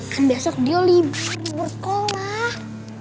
kan besok dio libar di sekolah